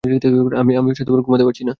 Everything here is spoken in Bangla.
আমি ঘুমাতে পারছি না।